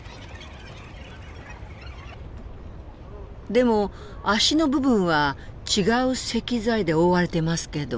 でも足の部分は違う石材で覆われていますけど。